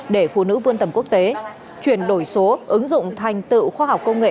để phụ nữ vươn tầm quốc tế chuyển đổi số ứng dụng thành tựu khoa học công nghệ